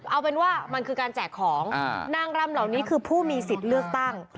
เอาเป็นว่ามันคือการแจกของนางรำเหล่านี้คือผู้มีสิทธิ์เลือกตั้ง